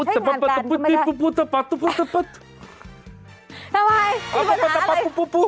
ทำไมมีปัญหาอะไร